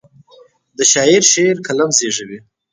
د شاعر شعر قلم زیږوي.